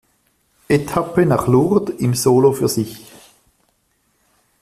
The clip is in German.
Etappe nach Lourdes im Solo für sich.